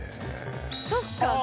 そっか。